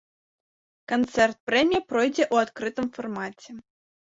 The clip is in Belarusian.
Канцэрт-прэмія пройдзе ў адкрытым фармаце.